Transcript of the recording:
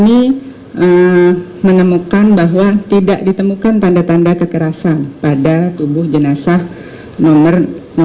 yang diperkuat oleh tim odontologi forensik kemudian dari otopsi juga kami menemukan bahwa tidak ditemukan tanda tanda kekerasan pada tubuh jenazah nomor enam puluh